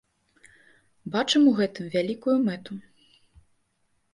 Бачым у гэтым вялікую мэту.